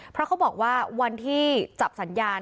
เพราะว่าวันที่จับสัญญาณ